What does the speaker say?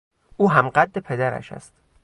او هم قد پدرش است.